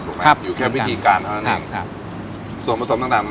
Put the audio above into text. ถูกไหมครับครับอยู่แค่วิธีการครับครับส่วนผสมต่างต่าง